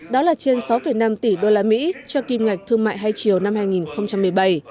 đó là trên sáu năm tỷ đô la mỹ cho kim ngạch thương mại hai chiều năm hai nghìn một mươi bảy